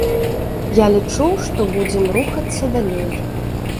Я лічу, што будзем рухацца далей.